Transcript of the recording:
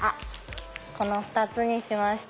この２つにしました。